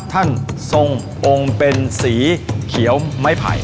ทรงองค์เป็นสีเขียวไม้ไผ่